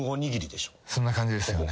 そんな感じですよね。